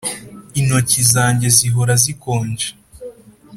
Intoki zanjye zihora zikonje